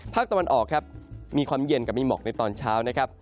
ภาคตะวันออกมีความเย็นกับมีหมอกในตอนเช้า